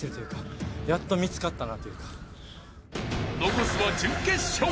［残すは準決勝］